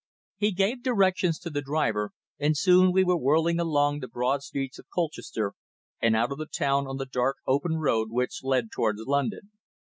He gave directions to the driver, and soon we were whirling along the broad streets of Colchester, and out of the town on the dark, open road which led towards London.